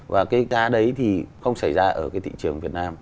và cái cá đấy thì không xảy ra ở cái thị trường việt nam